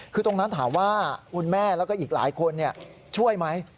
คือตรงนั้นถามว่าคุณแม่แล้วก็อีกหลายคนช่วยไหม